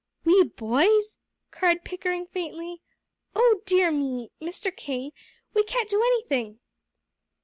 "We boys?" cried Pickering faintly. "Oh dear me! Mr. King, we can't do anything."